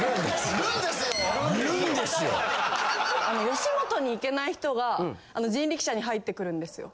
吉本に行けない人が人力舎に入ってくるんですよ。